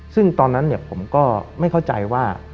ซึ่งตอนนั้นผมก็ไม่เข้าใจว่า